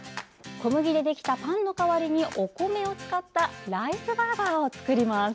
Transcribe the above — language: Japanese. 小麦でできたパンの代わりにお米を使ったライスバーガーを作ります。